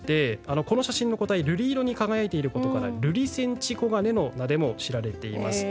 この写真の個体は、瑠璃色に輝いていることからルリセンチコガネの名前でも知られています。